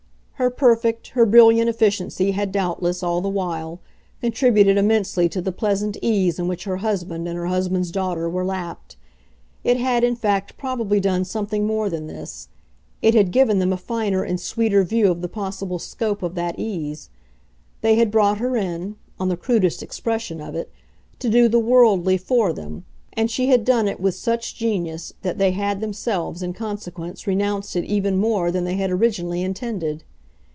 Her perfect, her brilliant efficiency had doubtless, all the while, contributed immensely to the pleasant ease in which her husband and her husband's daughter were lapped. It had in fact probably done something more than this it had given them a finer and sweeter view of the possible scope of that ease. They had brought her in on the crudest expression of it to do the "worldly" for them, and she had done it with such genius that they had themselves in consequence renounced it even more than they had originally intended.